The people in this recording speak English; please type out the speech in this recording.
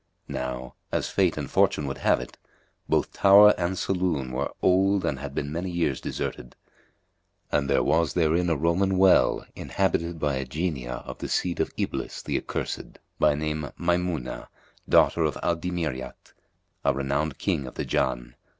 Now, as Fate and Fortune would have it, both tower and saloon were old and had been many years deserted; and there was therein a Roman well inhabited by a Jinniyah of the seed of Iblis[FN#240] the Accursed, by name Maymúnah, daughter of Al Dimiryát, a renowned King of the Jánn.